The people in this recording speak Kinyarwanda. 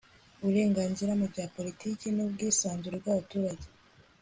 uburenganzira mu bya politiki n'ubwisanzure bw'abaturage